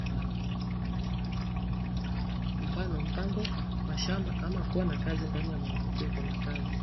Mfano mpango, mashamba ama kuwa na kazi ndani mwanamuke eko na haki